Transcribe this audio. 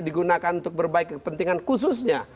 digunakan untuk berbaik kepentingan khususnya